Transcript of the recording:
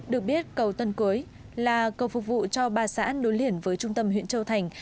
được biết cầu tân cưới là cầu phục vụ cho ba xã nối liền với trung tâm huyện châu thành